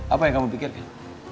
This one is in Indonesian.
apa yang kamu pikirkan